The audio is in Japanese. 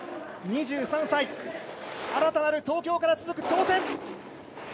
２３歳、新たなる東京から続く挑戦。